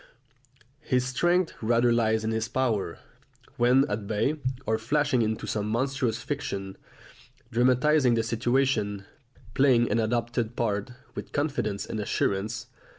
His strength rather lies in his power, when at bay, of flashing into some monstrous fiction, dramatising the situation, playing an adopted part, with confidence and assurance.